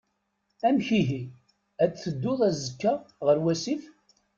Amek ihi? Ad teddum azekka ɣer wasif?